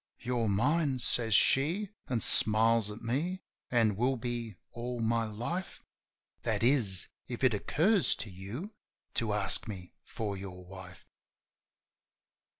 "You're mine," says she, an' smiles at me, "an' will be all my life — That is, if it occurs to you to ask me for your wife."